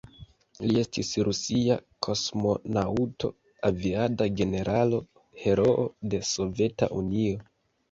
Li estis rusia kosmonaŭto, aviada generalo, heroo de Soveta Unio.